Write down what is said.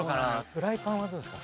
フライパンはどうですか？